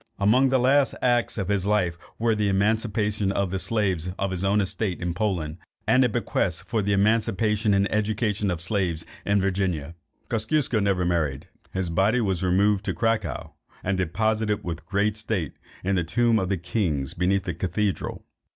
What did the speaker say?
Among the last acts of his life, were the emancipation of the slaves on his own estate in Poland, and a bequest for the emancipation and education of slaves in Virginia. Kosciusko was never married. His body was removed to Cracow, and deposited with great state in the tomb of the kings beneath the cathedral.